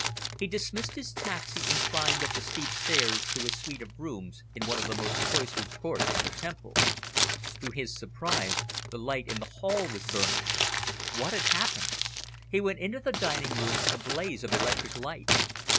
He dismissed his taxi, and climbed up the steep stairs to his suite of rooms in one of the most cloistered courts of the Temple. To his surprise, the light in the hall was burning. What had happened? He went into the dining room, a blaze of electric light.